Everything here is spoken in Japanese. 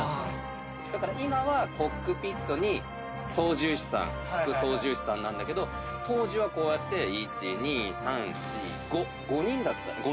だから今はコックピットに操縦士さん副操縦士さんだけど当時はこうやって１・２・３・４・５５人だった。